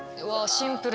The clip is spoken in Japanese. シンプル。